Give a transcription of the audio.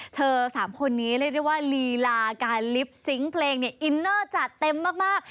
สามคนนี้เรียกได้ว่าลีลาการลิปซิงค์เพลงเนี่ยอินเนอร์จัดเต็มมาก